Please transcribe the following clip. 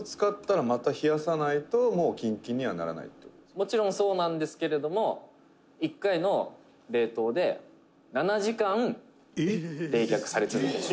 「もちろんそうなんですけれども１回の冷凍で７時間、冷却され続けます」